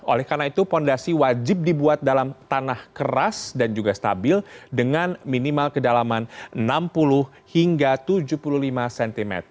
oleh karena itu fondasi wajib dibuat dalam tanah keras dan juga stabil dengan minimal kedalaman enam puluh hingga tujuh puluh lima cm